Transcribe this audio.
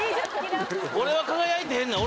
俺は輝いてへんねん。